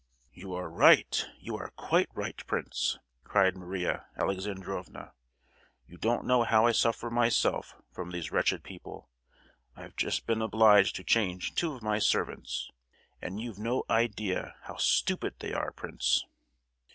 "You are right, you are quite right, prince," cried Maria Alexandrovna. "You don't know how I suffer myself from these wretched people. I've just been obliged to change two of my servants; and you've no idea how stupid they are, prince."